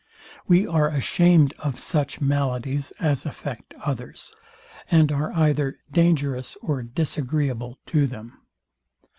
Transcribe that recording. We are ashamed of such maladies as affect others, and are either dangerous or disagreeable to them.